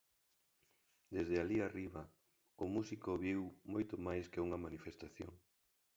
Desde alí arriba, o músico viu "moito máis que unha manifestación".